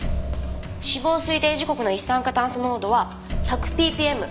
死亡推定時刻の一酸化炭素濃度は１００ピーピーエム。